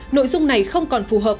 nội dung này không còn phù hợp